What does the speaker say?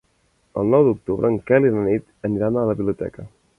El nou d'octubre en Quel i na Nit aniran a la biblioteca.